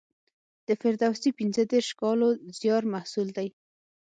د فردوسي پنځه دېرش کالو زیار محصول دی.